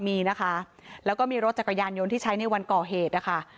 มีนะคะแล้วก็มีรถจักรยานยนต์ที่ใช้ในวันก่อเหตุนะคะ